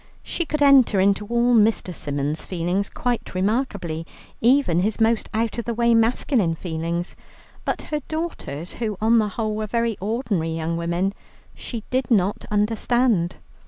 She could enter into all Mr. Symons' feelings quite remarkably, even his most out of the way masculine feelings, but her daughters, who on the whole were very ordinary young women, she did not understand.